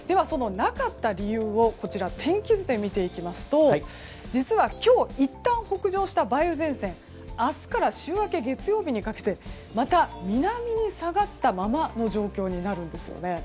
なかった理由を天気図で見ていきますと実は今日いったん北上した梅雨前線明日から週明け月曜日にかけてまた南に下がったままの状況になるんですね。